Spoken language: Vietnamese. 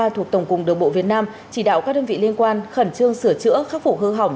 thuộc tổng cục đường bộ việt nam chỉ đạo các đơn vị liên quan khẩn trương sửa chữa khắc phục hư hỏng